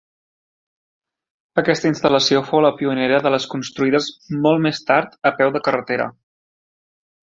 Aquesta instal·lació fou la pionera de les construïdes molt més tard a peu de carretera.